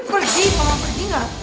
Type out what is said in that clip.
pergi mama pergi enggak